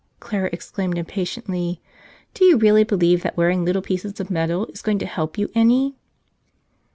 Clara ex¬ claimed impatiently. "Do you really believe that wearing little pieces of metal is going to help you any?"